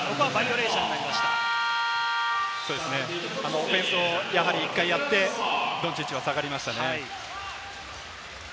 オフェンスを１回やって、ドンチッチは下がりましたね。